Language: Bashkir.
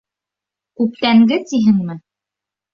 — Күптәнге тиһеңме?